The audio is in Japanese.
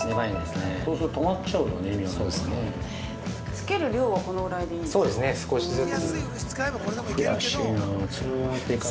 ◆つける量はこのぐらいでいいんですか。